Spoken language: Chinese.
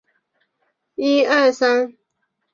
传统制造业的救星